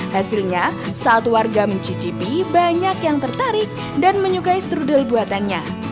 hasilnya saat warga mencicipi banyak yang tertarik dan menyukai strudel buatannya